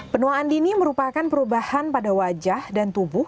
penuaan dini merupakan perubahan pada wajah dan tubuh